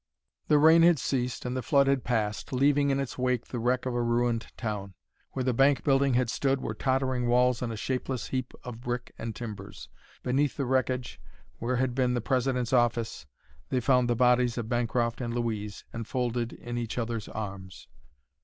The rain had ceased and the flood had passed, leaving in its wake the wreck of a ruined town. Where the bank building had stood were tottering walls and a shapeless heap of brick and timbers. Beneath the wreckage, where had been the president's office, they found the bodies of Bancroft and Louise, enfolded in each other's arms.